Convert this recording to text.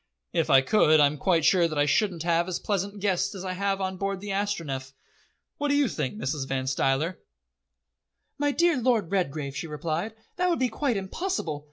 "If I could, I'm quite sure that I shouldn't have as pleasant guests as I have now on board the Astronef. What do you think, Mrs. Van Stuyler?" "My dear Lord Redgrave," she replied, "that would be quite impossible.